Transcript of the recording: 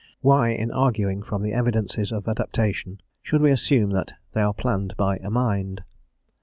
Why in arguing from the evidences of adaptation should we assume that they are planned by a mind?